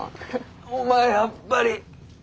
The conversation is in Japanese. お前やっぱり。